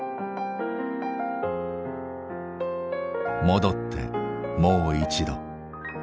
戻ってもう一度。